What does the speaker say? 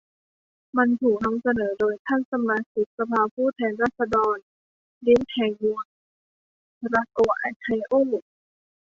มันถูกนำเสนอโดยท่าน สมาชิกสภาผู้แทนราษฎร ดิ๊ก แห่งมลรัฐโอไฮโอ